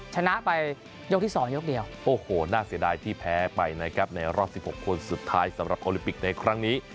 ชนะไปยกที่๒ยกเดียวโอ้โหน่าเสียดายที่แพ้ไปนะครับในรอบ๑๖คนสุดท้ายสำหรับโอลิมปิกในครั้งนี้